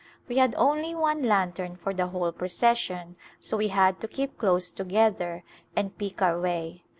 We had only one lantern for the whole procession so we had to keep close together and pick our way.